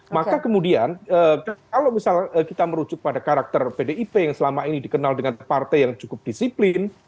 maka kemudian kalau misal kita merujuk pada karakter pdip yang selama ini dikenal dengan partai yang cukup disiplin